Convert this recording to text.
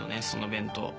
その弁当。